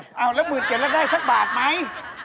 อ้าวแล้ว๑๐๐๐๐เจ็บแล้วได้สักบาทไหม